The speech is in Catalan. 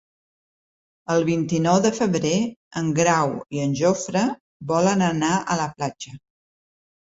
El vint-i-nou de febrer en Grau i en Jofre volen anar a la platja.